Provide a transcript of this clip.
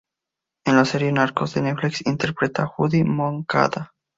En la serie "Narcos" de Netflix interpreta a Judy Moncada.